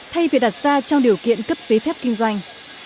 thay vì đặt ra trong điều kiện cấp giấy phép kinh doanh